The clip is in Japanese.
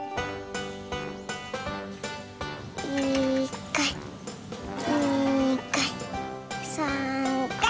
１かい２かい３かい！